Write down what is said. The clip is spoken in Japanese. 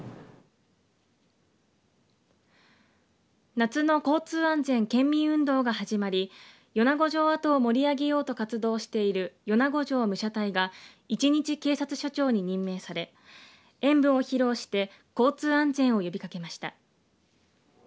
夏の交通安全県民運動が始まり米子城跡を盛り上げようと活動している米子城武者隊が一日警察署長に任命され演武を披露して交通安全を呼びかけました。